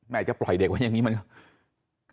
จะปล่อยเด็กไว้อย่างนี้มันก็